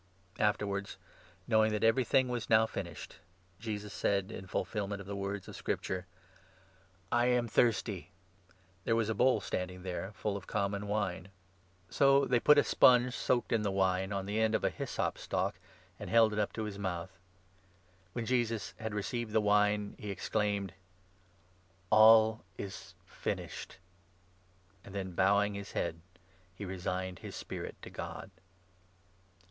Afterwards, knowing that everything was now 28 Tr.iMu*!' finished, Jesus said, in fulfilment of the words of Scripture : "I am thirsty." There was a bowl standing there full ot common wine ; so 29 Ps. aa. 18. »» P». 69. 31. JOHN, 19 20. 205 they put a sponge soaked in the wine on the end of a hyssop ', stalk, and held it up to his mouth. When Jesus had received 30 the wine, he exclaimed : "All is finished !" Then, bowing his head, he resigned his spirit to God.